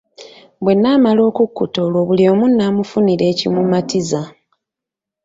Bwe naamala okukkuta olwo buli omu naamufunira ekimumatiza.